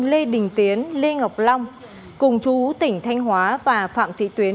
lê đình tiến lê ngọc long cùng chú tỉnh thanh hóa và phạm thị tuyến